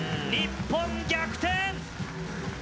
日本、逆転！